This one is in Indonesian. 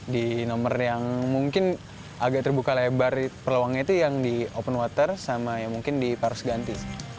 di nomor yang mungkin agak terbuka lebar peluangnya itu yang di open water sama yang mungkin di parus ganti